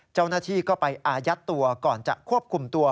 เจ้าหน้าที่ก็ไปอายัดตัวก่อนจะควบคุมตัว